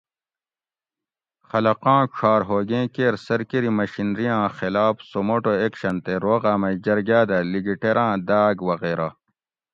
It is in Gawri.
خلقاں ڄھار ھوگیں کیر سرکیری مشینری آں خلاف سوموٹو ایکشن تے روغاۤ مئ جرگاۤ دہ لیگیٹیراں داۤگ وغیرہ